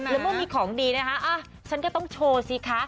แล้วเมื่อมีของดีนะคะฉันก็ต้องโชว์สิคะ